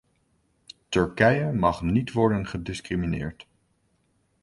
Turkije mag niet worden gediscrimineerd.